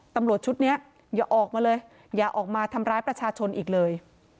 ตำรวจชุดนี้อย่าออกมาเลยอย่าออกมาทำร้ายประชาชนอีกเลย